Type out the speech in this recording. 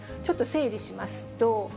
ちょっと整理しますと。